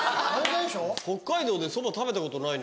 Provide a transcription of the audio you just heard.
北海道でそば食べたことないな。